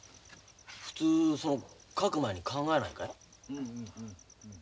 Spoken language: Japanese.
普通その描く前に考えないか？